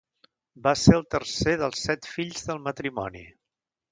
Va ser el tercer dels set fills del matrimoni.